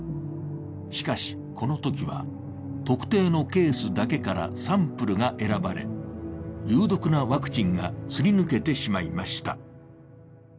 しかし、このときは特定のケースだけからサンプルが選ばれ有毒なワクチンがすり抜けてしまいました。